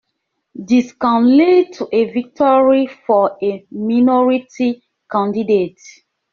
This can lead to a victory for a minority candidate.